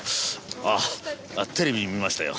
あテレビ見ましたよ